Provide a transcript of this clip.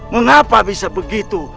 mengapa bisa begitu